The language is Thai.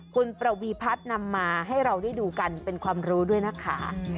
คุณประวีพัฒน์นำมาให้เราได้ดูกันเป็นความรู้ด้วยนะคะ